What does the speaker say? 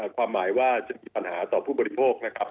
ความหมายว่าจะมีปัญหาต่อผู้บริโภคนะครับ